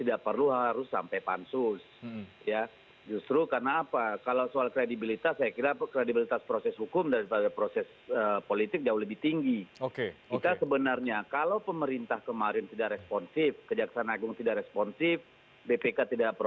ada restrukturisasi juga